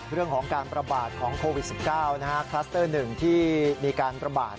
เรื่องของการประบาดของโควิด๑๙คลัสเตอร์หนึ่งที่มีการประบาด